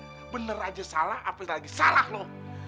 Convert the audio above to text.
lo ini janda bener aja salah apalagi salah lo